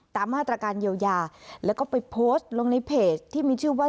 ตามมาตรการเยียวยาแล้วก็ไปโพสต์ลงในเพจที่มีชื่อว่า